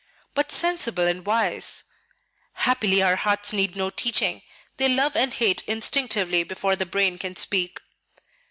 "But sensible and wise." "Happily our hearts need no teaching; they love and hate instinctively before the brain can speak."